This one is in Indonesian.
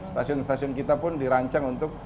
stasiun stasiun kita pun dirancang untuk